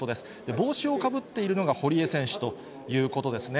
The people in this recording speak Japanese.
帽子をかぶっているのが堀江選手ということですね。